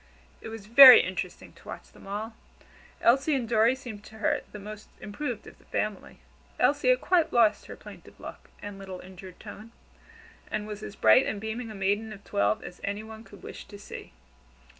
It was very interesting to watch them all. Elsie and Dorry seemed to her the most improved of the family. Elsie had quite lost her plaintive look and little injured tone, and was as bright and beaming a maiden of twelve as any one could wish to see.